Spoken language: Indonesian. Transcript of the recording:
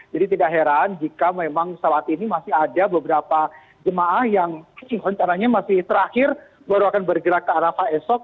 jadi tidak heran jika memang saat ini masih ada beberapa jemaah yang caranya masih terakhir baru akan bergerak ke arafah esok